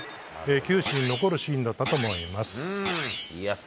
球史に残るシーンだったと思います。